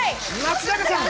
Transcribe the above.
松永さん